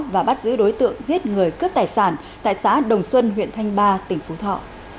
và bắt giữ đối tượng giết người cướp tài sản tại xã đồng xuân huyện thanh ba tỉnh phú thọ